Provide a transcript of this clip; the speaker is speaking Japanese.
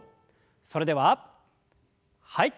それでははい。